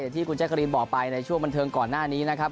ที่คุณแจ๊กรีนบอกไปในช่วงบันเทิงก่อนหน้านี้นะครับ